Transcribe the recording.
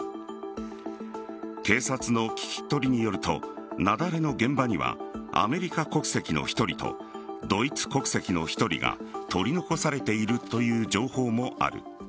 警察の聞き取りによると雪崩の現場にはアメリカ国籍の１人とドイツ国籍の１人が取り残されているという情報もある。